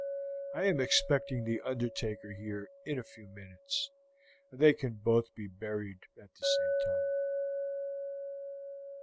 I am expecting the undertaker here in a few minutes, and they can both be buried at the same time."